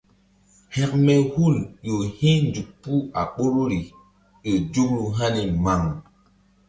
Hȩkme hul ƴo hi̧nzuk puh a ɓoruri ƴo nzukru hani maŋ.